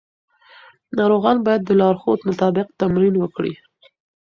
ناروغان باید د لارښود مطابق تمرین وکړي.